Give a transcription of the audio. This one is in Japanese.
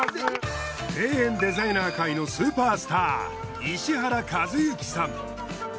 庭園デザイナー界のスーパースター石原和幸さん。